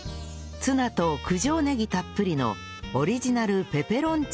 ツナと九条ねぎたっぷりのオリジナルペペロンチーノなど